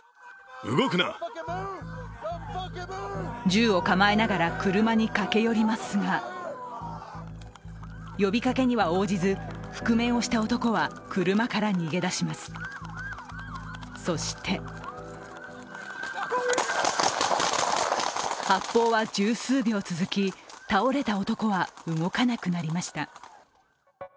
銃を構えながら車に駆け寄りますが、呼びかけには応じず覆面をした男は車から逃げ出します、そして発砲は十数秒続き、倒れた男は動かなくなりました。